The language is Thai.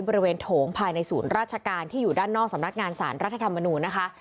โถงภายในศูนย์ราชการที่อยู่ด้านนอกสำนักงานสารรัฐธรรมนูญนะคะ